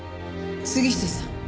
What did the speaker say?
杉下さん